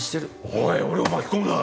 おい俺を巻き込むな。